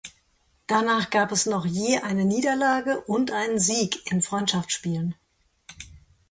Danach gab es noch je eine Niederlage und einen Sieg in Freundschaftsspielen.